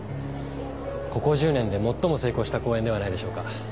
ここ１０年で最も成功した公演ではないでしょうか。